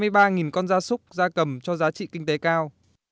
và hai mươi ba con da súc ra cầm cho giá trị kinh tế cao